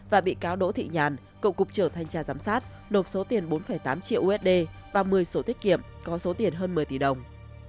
và bị cáo đỗ thị nhàn cựu cục trưởng thanh tra giám sát nộp số tiền bốn tám triệu usd và một mươi sổ tiết kiệm có số tiền hơn một mươi tỷ đồng